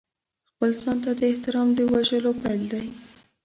خپل ځان ته د احترام د وژلو پیل دی.